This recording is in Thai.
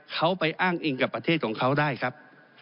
เขาไปอ้างอิงกับประเทศของเขาได้ครับ